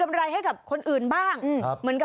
ไม่เอาแพงนะ